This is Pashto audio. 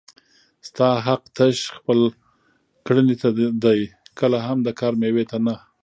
ستا حق تش خپل کړنې ته دی کله هم د کار مېوې ته نه